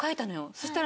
そしたら。